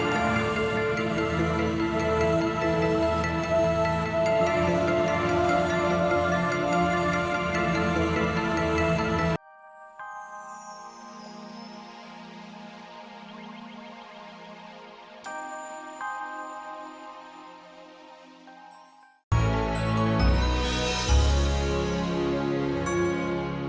gak usah kita larang